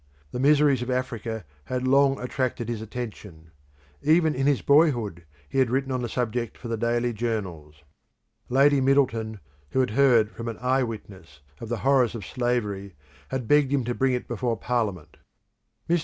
The miseries of Africa had long attracted his attention: even in his boyhood he had written on the subject for the daily journals. Lady Middleton, who had heard from an eye witness of the horrors of slavery, had begged him to bring it before parliament. Mr.